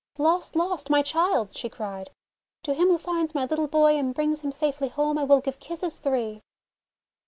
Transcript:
"Lost! Lost! My child!" she cried. "To him who finds my little boy and brings him safely home, I will give kisses three!